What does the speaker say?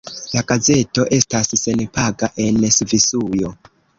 La gazeto estas senpaga en Svisujo.